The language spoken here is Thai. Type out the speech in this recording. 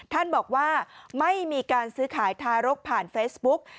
ท่านบอกว่าไม่มีการซื้อขายทารกผ่านเฟซบุ๊ก